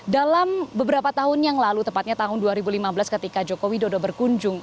dalam beberapa tahun yang lalu tepatnya tahun dua ribu lima belas ketika joko widodo berkunjung